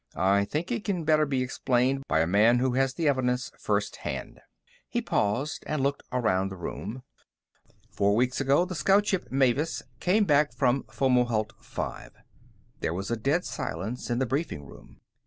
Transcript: I think it can better be explained by a man who has the evidence first hand." He paused and looked around the room. "Four weeks ago, the Scout Ship Mavis came back from Fomalhaut V." There was a dead silence in the briefing room.